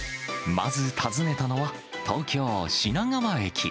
まず訪ねたのは、東京・品川駅。